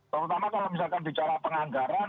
terutama kalau misalkan bicara penganggaran